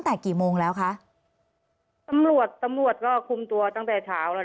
มันเป็นแบบที่สุดท้าย